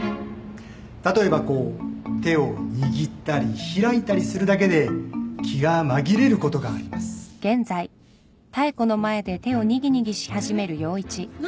例えばこう手を握ったり開いたりするだけで気が紛れることがありますえっ？